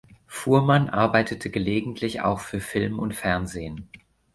Fuhrmann arbeitete gelegentlich auch für Film und Fernsehen.